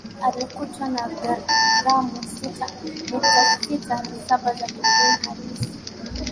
alikutwa na gramu sita nukta sita saba za cocaine halisi